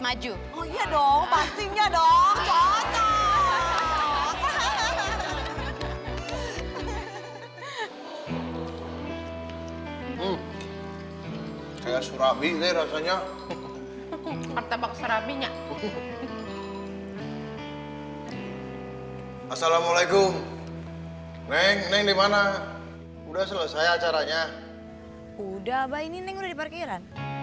assalamualaikum neng dimana udah selesai acaranya udah abah ini nih di parkiran